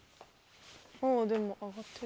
あぁでも上がってる。